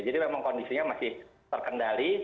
memang kondisinya masih terkendali